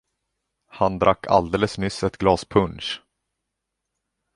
Han drack alldeles nyss ett glas punsch.